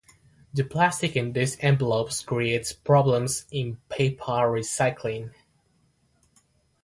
The plastic in these envelopes creates problems in paper recycling.